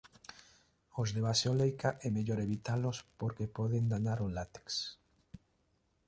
Os de base oleica é mellor evitalos porque poden danar o látex.